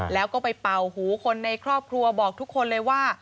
แล้วก็ไปเป่าหูคนในครอบครัวบอกทุกคนเลยว่า